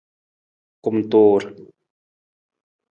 Kumtuur.